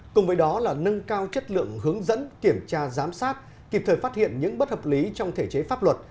cùng với đó là nâng cao chất lượng hướng dẫn kiểm tra giám sát kịp thời phát hiện những bất hợp lý trong thể chế pháp luật